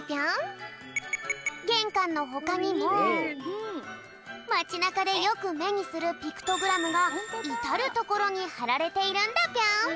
げんかんのほかにもまちなかでよくめにするピクトグラムがいたるところにはられているんだぴょん。